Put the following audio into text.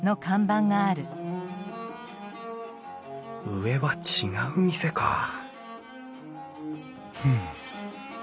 上は違う店かふん。